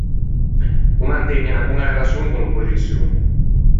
O mantëgne unna boña relaçion con l’oppoxiçion.